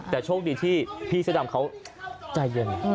แต่โชคดีที่พี่เสื้อดำเขาใจเย็น